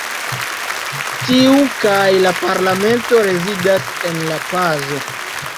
Tiu kaj la parlamento rezidas en La-Pazo.